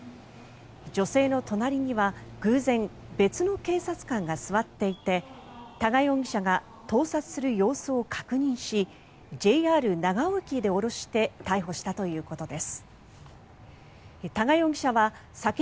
女性の隣には偶然、別の警察官が座っていて多賀容疑者が盗撮する様子を確認しＪＲ長尾駅で降ろして逮捕したということです。